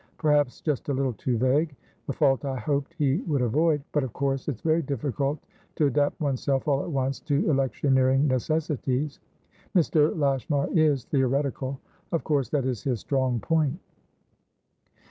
Perhaps just a little too vague: the fault I hoped he would avoid. But of course it's very difficult to adapt oneself all at once to electioneering necessities. Mr. Lashmar is theoretical; of course that is his strong point."